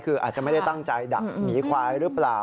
คืออาจจะไม่ได้ตั้งใจดักหมีควายหรือเปล่า